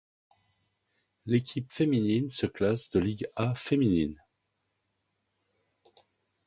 L'équipe féminine se classe de Ligue A Féminine.